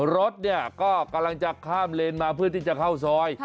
รถเนี่ยก็กำลังจะข้ามเลนมาเพื่อที่จะเข้าซอย